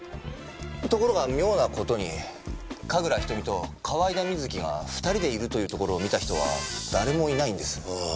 ところが妙な事に神楽瞳と河井田瑞希が２人でいるというところを見た人は誰もいないんです。